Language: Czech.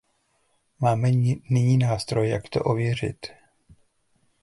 Máme nyní nástroj, jak to ověřit.